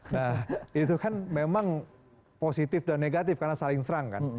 nah itu kan memang positif dan negatif karena saling serang kan